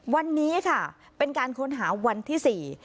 วันนี้ค่ะเป็นการค้นหาวันที่สี่